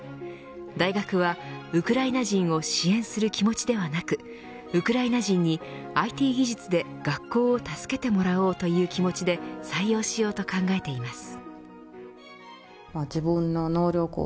大学はウクライナ人を支援する気持ちではなくウクライナ人にＩＴ技術で学校を助けてもらおうという気持ちで採用しようと考えています。